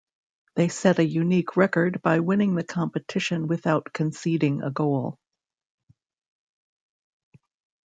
They set a unique record by winning the competition without conceding a goal.